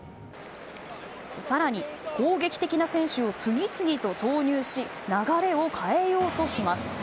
更に攻撃的な選手を次々と投入し流れを変えようとします。